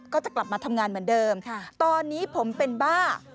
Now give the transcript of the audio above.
ก็จะกลับมาทำงานเหมือนเดิมตอนนี้ผมเป็นบ้า